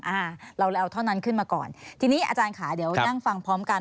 อ่าเราเลยเอาเท่านั้นขึ้นมาก่อนทีนี้อาจารย์ค่ะเดี๋ยวนั่งฟังพร้อมกัน